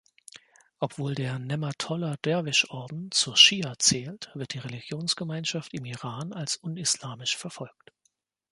Obwohl der Nematollah-Derwischorden zur Schia zählt, wird die Religionsgemeinschaft im Iran als unislamisch verfolgt.